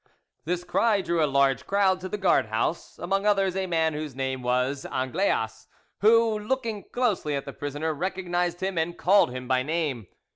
This cry drew a large crowd to the guard house, among others a man whose name was Anglejas, who, looking closely at the prisoner, recognised him and called him by name.